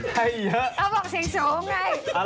วันนี้วันเสียงสูงแห่งชาติ